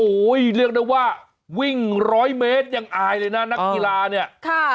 โอ้โหเรียกได้ว่าวิ่งร้อยเมตรยังอายเลยนะนักกีฬาเนี่ยค่ะ